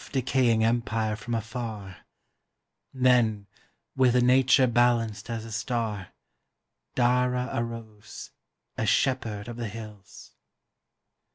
decaying empire from afar, Then, with a nature balanced as a star, Dara arose, a shepherd of the hills.